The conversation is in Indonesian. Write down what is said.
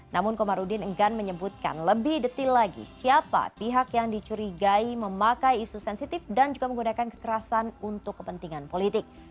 namun komarudin enggan menyebutkan lebih detail lagi siapa pihak yang dicurigai memakai isu sensitif dan juga menggunakan kekerasan untuk kepentingan politik